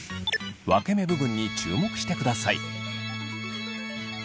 分け目部分に注目してください。